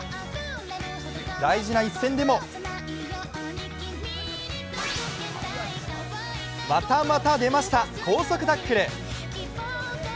大事な一戦でもまたまた出ました、高速タックル。